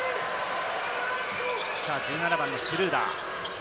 １７番・シュルーダー。